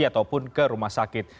ataupun ke rumah sakit